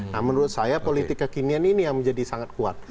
nah menurut saya politik kekinian ini yang menjadi sangat kuat